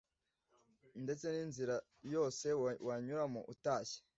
ndetse n'inzira yose wanyuramo utashye